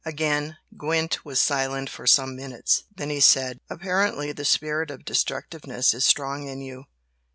Again, Gwent was silent for some minutes. Then he said "Apparently the spirit of destructiveness is strong in you.